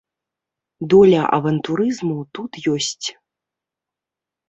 Доля авантурызму тут ёсць.